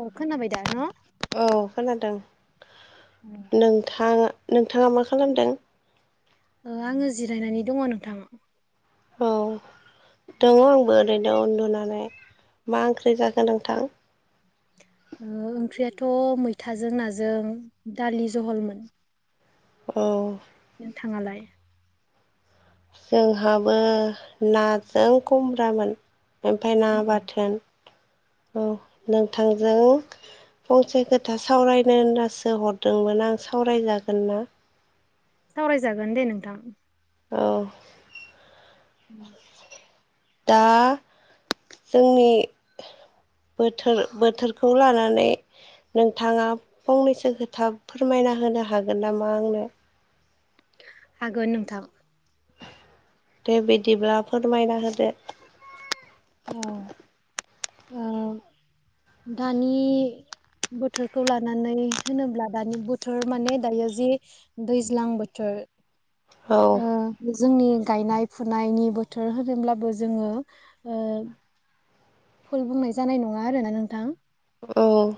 ओ खोनाबाय दा न' औ खोनादों नोंथाङा नोंथाङा मा खालामदों आङो जिरायनानै दङ नोंथां औ दङ आंबो ओरैनो उन्दुनानै मा ओंख्रि जाखो नोंथां ओंख्रियाथ' मैथाजों नाजों दालि जहलमोन औ नोंथाङालाय जोंहाबो नाजों खुमब्रामोन ओमफ्राय ना बाथोन औ नोंथांजों फंसे खोथा सावरायनो होननाासो हरदोंमोन आं सावरायजागोन ना? सावरायजागोन दे नोंथां । औ औ दा जोंनि बोथोर बोथोरखौ लानानै नोंथाङा फंनैसो खोथा फोरमायना होनो हागोन नामा आंनो हागोन नोंथां । दे बिदिब्ला फोरमायना होदो औ दानि बोथोरखौ लानानै होनोब्ला दानि बोथोर माने दायो जे दैज्लां बोथोर होदो ओ जोंनि गायनाय फुनायनि बोथोर होनोब्लाबो जोङो ओ फुल बुंनाय जानाय नङा आरोना नोंथां औ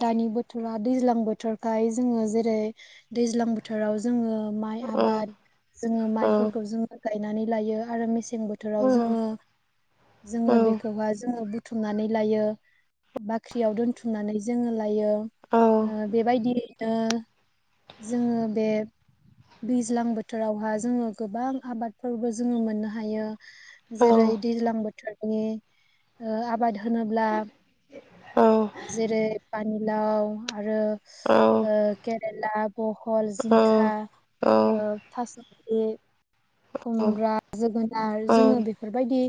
दानि बोथोरा दैज्लां बोथोरखाय जोङो जेरै दैज्लां बोथोराव जोङो माइ औ आबाद औ जोङो औ माइफोरखौ जोङो गायनानै लायो आरो मेसें बोथोराव औ जोङो जोङो औ जोङो बे खौहाय जोङो बुथुमनानै लायो बाख्रियाव दोनथुमनानै जोङो लायो। ओ औ बेबायदि ओ जोङो बे दैज्लां बोथोरावहाय जोङो गोबां आबादफोरबो जोङो मोननो हायो औ जेरै दैज्लां बोथोरनि ओ आबाद होनोब्ला औ जेरै पानिलाव आरो केरेला, बहल, जिंखा औ। थास' आथिं खुमब्रा, जोगो नार जोङो बेफोर बायदि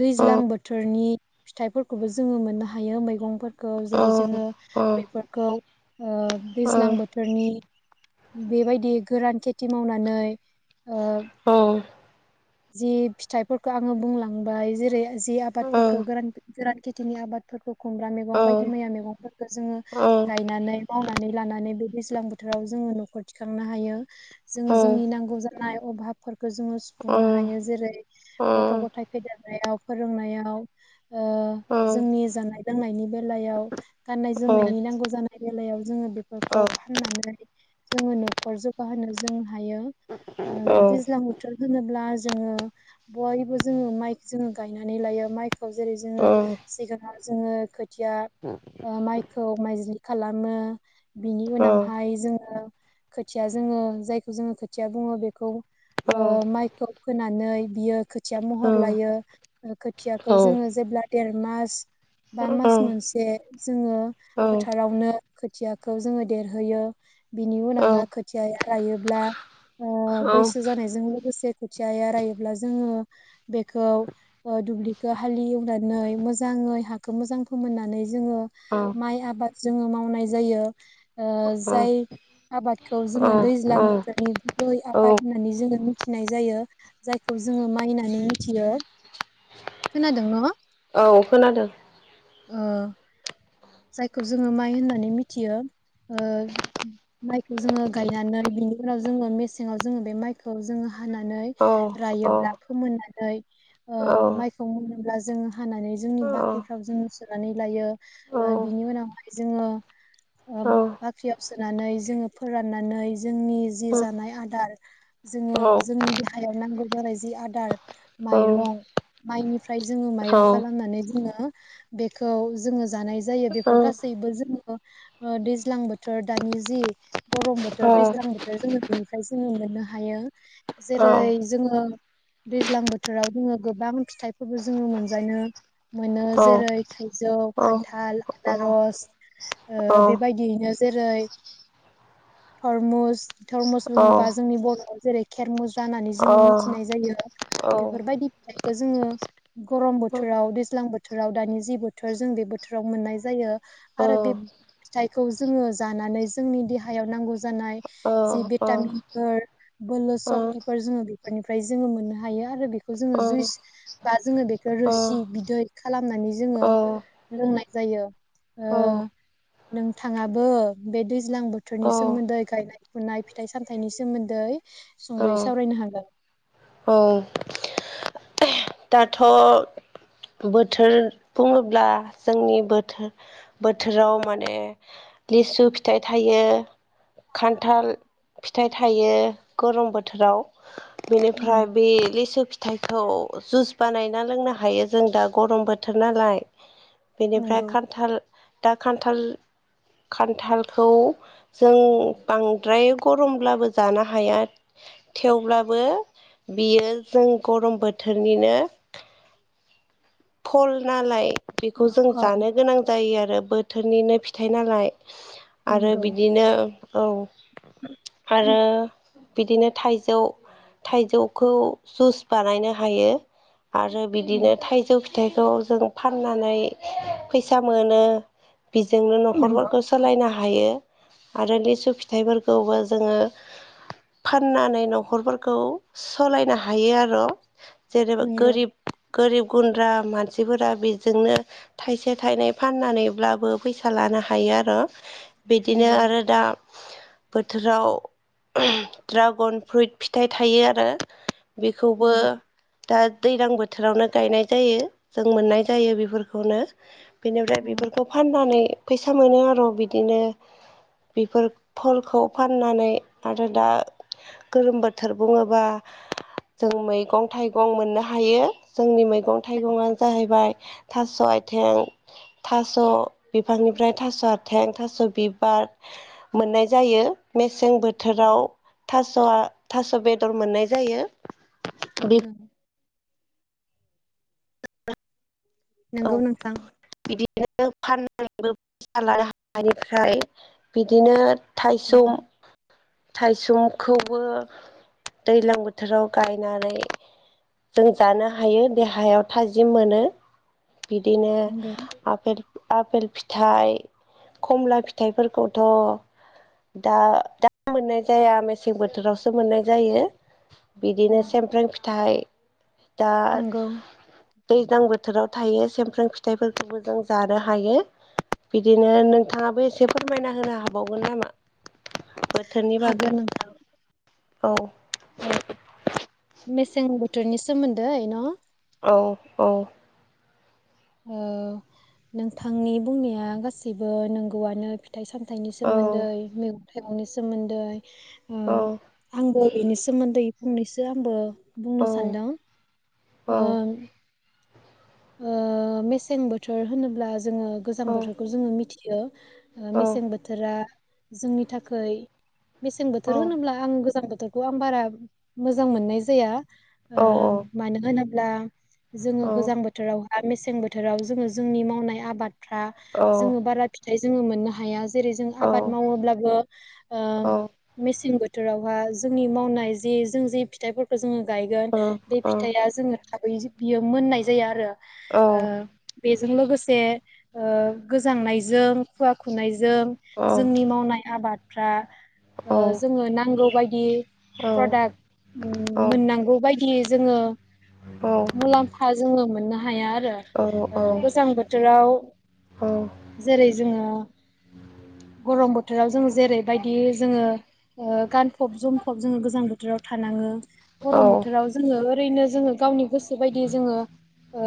दैज्लां बोथोरनि फिथाइफोरखौबो जोङो मोननो हायो मैगंफोर खौ जेरै जोङो बेफोरखौ ओ दैज्लां बोथोरनि बेबायदि गोरान खेथि मावनानै ओ जि फिथाइफोरखौ आङो बुंलांबाय जेरै जि आबादफोरखौ गोरान गोरान खेथिनि आबादफोरखौ खुमब्रा मैगं बायदि मैया मैगंफोरखौ जोङो गायनानै मावनानै लानानै बे दैज्लां बोथोराव जोङो न'खर थिखांनो हायो जोङो जोंनि नांगौ जानाय अभाब फोरफोरखौ जोङो सुफुंनो हायो जेरै गथ' गथाय फेदेरनायाव फोरोंनायाव जोंनि जानाय लोंनायनि बेलायाव गाननाय जोमनायनि नांगौ जानाय बेलायाव जोङो बेफोरखौ फाननानै जोङो न'खर जौगाहोनो जों हायो दैजां बोथोर होनोब्ला जोङो बयबो जोङो माइ जोङो गायनानै लायो माइखौ जेरै जोङो सिगाङाव जोङो खोथिया माइखौ माइज्लि खालामो बिनि उनावहाय जोङो खोथिया जोङो जायखौ जोङो खोथिया बुङो बेखौ ओ माइखौ फोनानै बियो खोथिया महर लायो खोथियाखौ जोङो जेब्ला देर मास बा मास मोनसे जोङो फोथारावनो खोथियाखौ जोङो देरहोयो बिनि उनावहाय खोथिया लायोब्ला बैसो जानाय जों लोगोसे खोथिया रायोब्ला जों बेखौ दुब्लिखौ हाल एवनानै मोजांयै हाखौ मोजां फोमोननानै जोङो माइ आबाद जों मावनाय जायो जाय आबादखौ जोङो दैज्लां औ बोथोरनि गुबै औ आबाद होननानै जों मिथिनाय जायो जायखौ जोङो माइ होनानै मिथियो खोनादों न' औ खोनादो ओ जायखौ जोङो माइ होननानै मिथियो माइखौ जोङो गायनानै बिनि उनाव जोङो मेसेंआव जोङो बे माइखौ जोङो हानानै औ औ रायोब्ला फोमोननानै औ औ माइखौ मोनोब्ला जोङो हानानै औ जोंनि बाख्रिफ्राव जोङो सोनानै लायो बिनि उनावहाय जोङो बाख्रियाव सोनानै जोङो फोराननानै जोंनि जि जानाय आदार जोङो जोंनि देहायाव नांगौ जानाय जि आदार माइरं माइनि ओमफ्राय जोङो माइरं खालामनानै जोङो बेखौ जोङो जानाय जायो बेफोर गासैबो जोङो ओ दैज्लां बोथोर दानि जि गरम बोथोर दैज्लां बोथोर जोङो बेनिफ्राय जोङो मोननो हायो जेरै जोङो दैज्लां बोथोराव जोङो गोबां फिथाइफोरबो जोङो मोनजायनो मोनो जेरै थाइजौ [unintelligible] थाल आनारस ओ बेबायदियैनो जेरै थरमुस थरमुस बुङोबा जोंनि बरआव जेरै खेरमुज्रा होननानै जों औ मिथिनाय जायो औ बेफोरबायदि फिथाइखौ जोङो गरम बोथोराव दैज्लां बोथोराव दानि जि बोथोर जों बे बोथोर बोथोराव मोननाय जायो आरो बे फिथाइखौ जोङो जानानै जोंनि देहायाव नांगौ जानाय जि भिटामिनफोर बोलो सक्तिफोर जोङो बेफोरनिफ्राय जोङो मोननो हायो आरो बेखौ जोङो जुइस बा जोङो बेखौ रोसि बिदै खालामनानै जोङो लोंनाय जायो ओ नोंथाङाबो बे दैज्लां बोथोरनि सोमोन्दै गायनाय फुनाय फिथाइ सामथायाइनि सोमोन्दै सुंदयै सावरायनो हागोन दाथ बोथोर बुङोब्ला जोंनि बोथोर बोथोराव माने लिसु फिथाइ थायो खान्थाल फिथाइ थायो गरम बोथोराव बेनिफ्राय बे लेसु फि फिथाइखौ जुइस बानायना लोंनो हायो जों दा गरम बोथोर नालाय बेनिफ्राय औ खान्थाल दा खान्थाल खान्थालखौ जों बांद्राय गरमब्लाबो जानो हाया थेवब्लाबो बियो जों गरम बोथो निनो फल नालाय बेखौ जों औ जानो गोनां जायो आरो बोथोरनिनो फिथाइ नालाय आरो नंगौ बिदिनो औ आरो बिदिनो थाइजौ थाइजौखौ जुस बानायनो हायो आरो औ बिदिनो थाइजौ फिथाइखौ जों फाननानै फैसा मोनो बेजोंनो नंगौ नखरफोरखौ सोलायनो हायो आरो लिसु फिथाइफोरखौबो जोङो फाननानै नखरफोरखौ सालायनो हायो आरो जेने नंगौ गोरिब गोरिब गुन्द्रा मानसिफोरा बेजोंनो थाइसे थाइनै फाननानैब्लाबो फैसा लानो हायो आरो बिदिनो नंगौ आरो दा बोथोराव ड्रागन फ्रुइट फिथाइ थायो आरो बेखौबो नंगौ दा दैज्लां बोथोरावनो गायनाय जायो जों मोननाय जायो बेफोरखौनो बेनिफ्राय औ बेफोरखौ फाननानै फैसा मोनो आरो बिदिनो बेफोर फलखौ फाननानै आरो दा गोलोम बोथोर बुङोबा जों मैगं थाइगं मोननो हायो जोंनि मैगं मैगं थाइगंआ जाहैबाय थास' आथिं। थास' बिफांनिफ्राय थास' आथिं, थास' बिबार मोननाय जायो मेस । मेसें बोथोराव नंगौ थास' थास'आ थास' बेदर मोननाय जायो। बे नंगौ। औ नंगौ नोंथां। बिदिनो फाननानैबो फैसाला हानिफ्राय बिदिनो। थाइसुम। उम थाइसुमखौबो दैज्लां बोथोराव गायनानै जों जानो हायो बे हायाव थाजिम मोनो। बिदिनो नंगौ आफेल। आफेल फिथाइ, खमला फिथाइफोरखौथ' दा दा मोननाय जाया मेसें बोथोरावसो मोननाय जायो। बिदिनो उम सेमफ्रें फिथाइ। दा। नंगौ दैज्लां बोथोराव थायो समफ्राम फिथाइफोरखौबो जों जानो हायो बिदिनो नोंथाङाबो एसे फोरमायना होनो हाबावगोन नामा? बोथोरनि बागै। हागोन नोंथां औ। ओ मेसें बोथोरनि सोमोन्दै न'? औ औ। ओ नोंथांनि बुंनाया गासैबो नंगौआनो। फिथाइ सामथाइनि औ सोमोन्दै मैगं थाइगंनि सोमोन्दै। ओ औ आंबो बेनि सोमोन्दै फंनैसो आंबो औ बुंनो सानदों। ओ औ। ओ मेसें बोथोर होनोब्ला। जोङो गोजां बोथोर जों मिथियो। थियो ओ औ मेसें बोथोरा। जोंनि थाखै मसें बोथोर होनोब्ला आं गोजां बोथ बोथोरखौ आं बारा मोजां मोननाय जाया। ओ मानो होन ला जोङो औ गोजां बोथोर बहा मेसें बोथोराव जोङो जोंनि मावनाय आबाद जों बारा फिथाइ जोङो मोननो हाया जेरै जों आबाद मावोब्लाबो औ मेसें बोथोर बोरावहा जोंनि मावनाय जि जों जि फिथाइफोरखौ जोङो गायगोन दै औ औ फिथाइया जोङो थाबै बियो मोननाय जायो आरो ओ बे जों लोगोसे गोजांनायजों खुवा खुनायजों जों जोंनि मावनाय आबाद फ्रा जोङो नांगौ बायदि प्रदाक मोननांगौ बायदि जोङो मुलाम्फा जोङो मोननो हाया आरो आरो गोजां बोथोराव जेरै जोङो गरम बोथोराव जों जेरैबायदि जोङो गानफब जोमफब जोङो गोजां बोथोराव थानाङो गरम बोथोराव जोङो ओरैनो जोङो गावनि गोसो बायदि जोङो ओ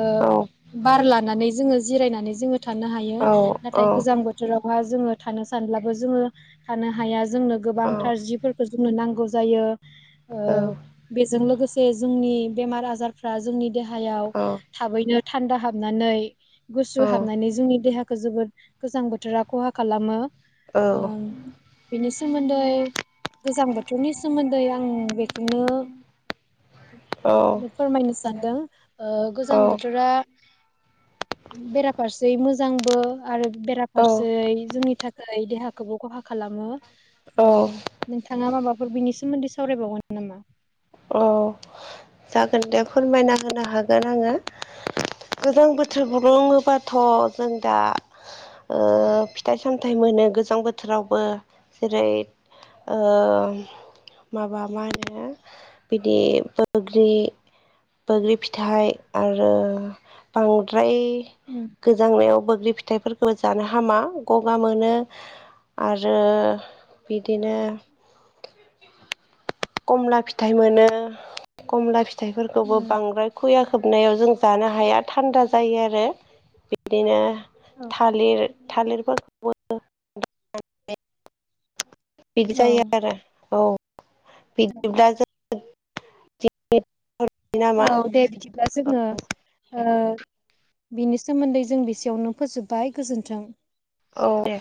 बार लाख नानै जोङो जिरायनानै जोङो थानो हायो नाथाय गोजां बोथोराव जोङो थानो सानब्लाबो जोङो थानो हाया जोंनो गोबां थारजिफोरखौ जोंनो नांगौ जायो बेजों लोगोसे जोंनि बेमार आजारफ्रा जोंनि देहायाव थाबैनो थान्दा हाबनानै गुसु हाबनानै जोंनि देहाखौ जोबोद गोजां बोथोरा खहा खालामो ओ बेनि सोमोन्दै गोजां बोथोरनि सोमोन्दै आं बेखौनो फोरमायनो सानदों ओ गोजां बोथोरा बेराफारसे मोजांबो आरो बेराफारसे जोंनि थाखाय देहाखौबो खहा खालामो नोंथाङा माबाफोर बिनि सोमोन्दै सावरायबावगोन नामा औ जागोन दे फोरमायना होनो हागोन आङो गोजां बोथोर गलङोबाथ' जों दा ओ फिथाइ सामथाइ मोनो गोजां बोथोरावबो जेरै माबा मा होनो बिदि बैग्रि बोग्रि फिथाइ आरो बांद्राय फ्राय उम गोजांनायाव बोग्रि बेफोरखौबो जानो हामा गगा मोनो आरो बि बिदिनो कमला फिथाइ मोनो कमला फि थाइफोरखौबो उम बांद्राय खुया खोबनायाव जों जानो हाया थान्दा जायो आरो बिदिनो औ थालिर थालिरफोरखौबो [unintelligible] बिदि जायो औ आरो औ। बि दा जों नामा औ दे बिदिब्ला जोङो ओ बिनि सोमोन्दै जों बेसेयावनो फोजोबबाय गोजोन्थों। औ दे।